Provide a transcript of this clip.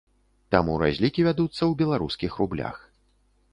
Таму разлікі вядуцца ў беларускіх рублях.